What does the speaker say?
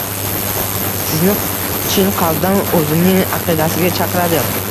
Sizni chin qalbdan o‘zining aqidasiga chaqiradi.